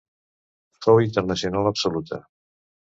Fou internacional absoluta.